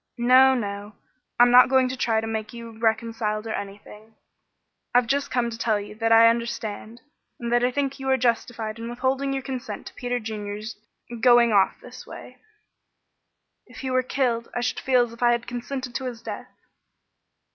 "No, no. I'm not going to try to make you reconciled, or anything. I've just come to tell you that I understand, and that I think you are justified in withholding your consent to Peter Junior's going off in this way." "If he were killed, I should feel as if I had consented to his death."